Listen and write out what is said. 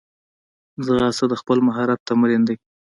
ځغاسته د خپل مهارت تمرین دی